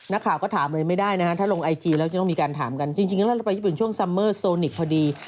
นักข่าวก็ถามเลยไม่ได้นะฮะถ้าลงไอจีแล้วจะต้องมีการถามกันจริงแล้วเราไปญี่ปุ่นช่วงซัมเมอร์โซนิกพอดี